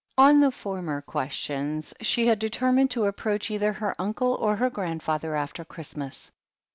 On the former questions she had determined to ap proach either her uncle or her grandfather after Christ mas.